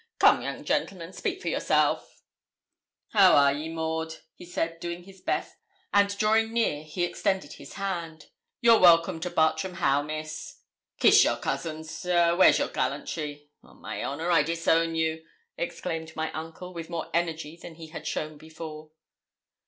Come, young gentleman, speak for yourself.' 'How are ye, Maud?' he said, doing his best, and drawing near, he extended his hand. 'You're welcome to Bartram Haugh, Miss.' 'Kiss your cousin, sir. Where's your gallantry? On my honour, I disown you,' exclaimed my uncle, with more energy than he had shown before.